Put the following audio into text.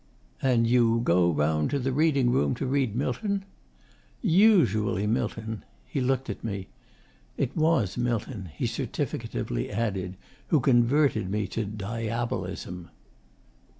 'And you go round to the reading room to read Milton?' 'Usually Milton.' He looked at me. 'It was Milton,' he certificatively added, 'who converted me to Diabolism.